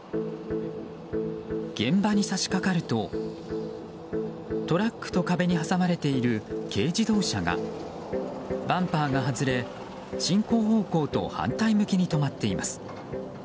現場に差し掛かると、トラックと壁に挟まれている軽自動車がバンパーが外れ、進行方向と反対向きに止まっています。